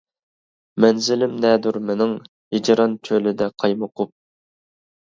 مەنزىلىم نەدۇر مېنىڭ؟ ھىجران چۆلىدە قايمۇقۇپ.